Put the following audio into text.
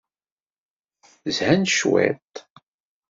Zhan cwiṭ.